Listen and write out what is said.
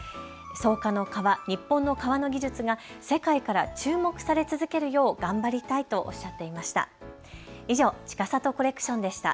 草加の革、日本の革の技術が世界から注目され続けるよう頑張りたいとおっしゃっていました。